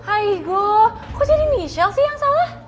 aigoo kok jadi misal sih yang salah